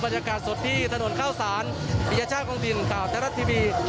บรรยากาศสดที่ถนนข้าวศาลปิยะชาติคลังดินข่าวเตรรัสทีบี